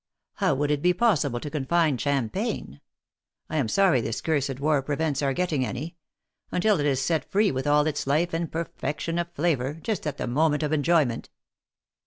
How would it be possible to confine cham pagne (I am sorry this cursed war prevents our get ting any,) until it is set free with all its life and per fection of flavor, just at the moment of enjoyment